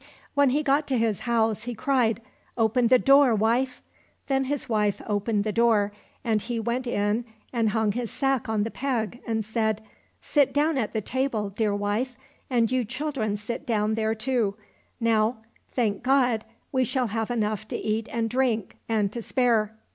When he got to his house, he cried, " Open the door, wife !" Then his wife opened the door, and he went in and hung his sack on the peg and said, " Sit down at the table, dear wife, and you children sit down there too. Now, thank God ! we shall have enough to eat and drink, and to spare."